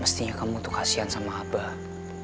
mestinya kamu tuh kasihan sama abah